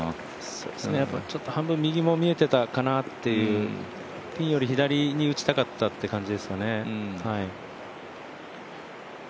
ちょっと半分右も見えてたかなっていうピンより左に打ちたかったという感じですかね。